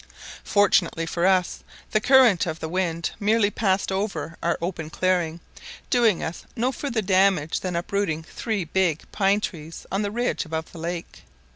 Fortunately for us the current of the wind merely passed over our open clearing, doing us no further damage than uprooting three big pine trees on the ridge above the lake.